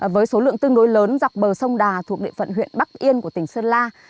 với số lượng tương đối lớn dọc bờ sông đà thuộc địa phận huyện bắc yên của tỉnh sơn la